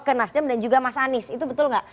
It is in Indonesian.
ke nasjem dan juga mas anies itu betul gak